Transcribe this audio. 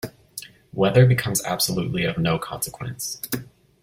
Weather becomes absolutely of no consequence.